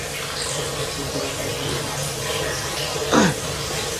আমি জগতের কল্যাণের জন্য আমার ভাবগুলি প্রচার করতে চাই।